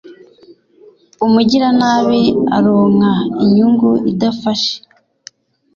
umugiranabi aronka inyungu idafashe